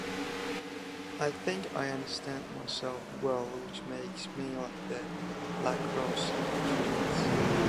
I think I understand myself well, which makes me like the lacrosse kids.